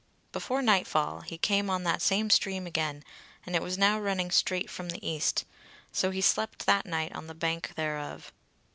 Before nightfall he came on that same stream again, and it was now running straight from the east; so he slept that night on the bank thereof.